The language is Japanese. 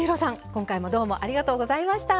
今回もどうもありがとうございました。